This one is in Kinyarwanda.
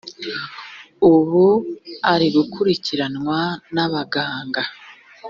ubu ari gukurikiranwa n’abaganga